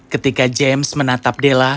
ketika james menatap della